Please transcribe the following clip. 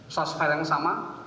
source file yang sama